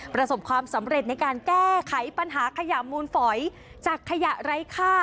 ประสบความสำเร็จในการแก้ไขปัญหาขยะมูลฝอยจากขยะไร้ค่า